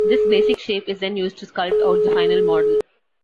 This basic shape is then used to sculpt out the final model.